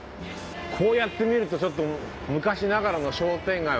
こうやって見るとちょっと昔ながらの商店街を感じるね。